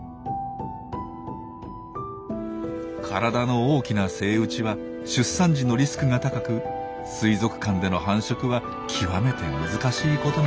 体の大きなセイウチは出産時のリスクが高く水族館での繁殖は極めて難しいことなんです。